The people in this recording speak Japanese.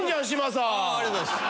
ありがとうございます。